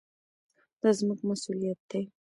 دا زموږ مسوولیت دی.